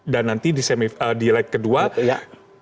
dan nanti di leg kedua